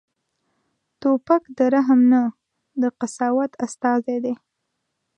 توپک د رحم نه، د قساوت استازی دی.